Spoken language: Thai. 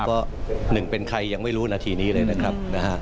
ก็หนึ่งเป็นใครยังไม่รู้นาทีนี้เลยนะครับ